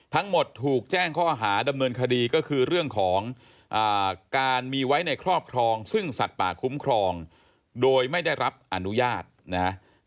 ทั้งหมดถูกแจ้งข้อหาดำเนินคดีก็คือเรื่องของการมีไว้ในครอบครองซึ่งสัตว์ป่าคุ้มครองโดยไม่ได้รับอนุญาตนะฮะ